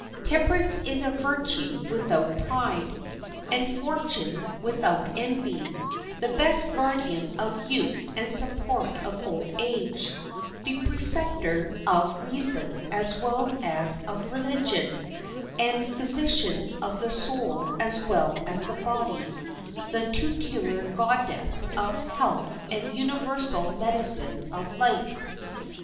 Temperance is a virtue without pride, and fortune without envy; the best guardian of youth and support of old age; the preceptor of reason as well as of religion, and physician of the soul as well as the body; the tutelar goddess of health and universal medicine of life.